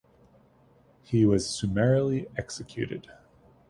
He was summarily executed.